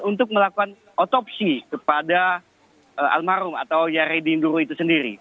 untuk melakukan otopsi kepada almarhum atau yaredinduro itu sendiri